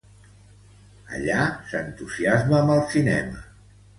Allà s'entusiasma amb el cinema.